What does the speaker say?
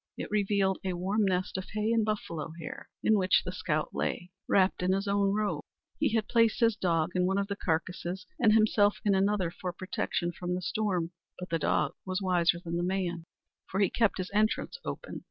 It revealed a warm nest of hay and buffalo hair in which the scout lay, wrapped in his own robe! He had placed his dog in one of the carcasses and himself in another for protection from the storm; but the dog was wiser than the man, for he kept his entrance open.